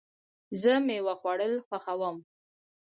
زه مېوه خوړل خوښوم.